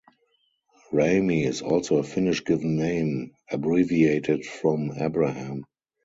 Rami is also a Finnish given name, abbreviated from Abraham.